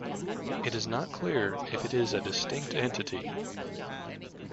It is not clear if it is a distinct entity.